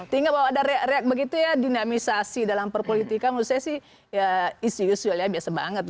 tinggal bahwa ada reak begitu ya dinamisasi dalam perpolitika menurut saya sih ya is usual ya biasa banget